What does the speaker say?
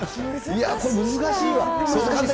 いやぁ、これ、難しいわ。